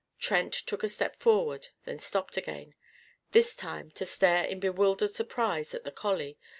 Trent took a step forward, then stopped again; this time to stare in bewildered surprise at the collie.